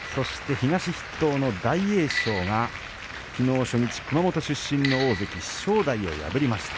東筆頭の大栄翔がきのう初日、熊本出身の大関正代を破りました。